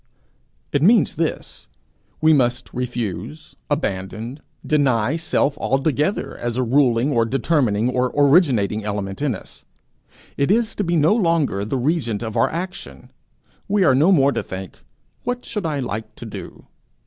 It means this: we must refuse, abandon, deny self altogether as a ruling, or determining, or originating element in us. It is to be no longer the regent of our action. We are no more to think, 'What should I like to do?'